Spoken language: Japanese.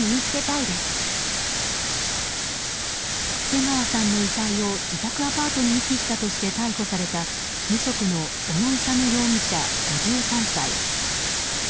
瀬川さんの遺体を自宅アパートに遺棄したとして逮捕された無職の小野勇容疑者、５３歳。